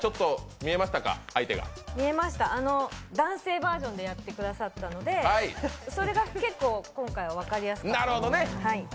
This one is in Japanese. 見えました、男性バージョンでやってくださったのでそれが結構、今回分かりやすかった。